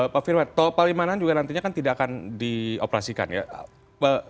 pak firman tol palimanan juga nantinya kan tidak akan dioperasikan ya